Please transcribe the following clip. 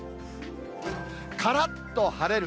からっと晴れる。